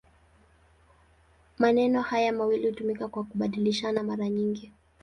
Maneno haya mawili hutumika kwa kubadilishana mara nyingi.